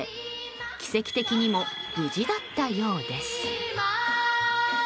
奇跡的にも無事だったようです。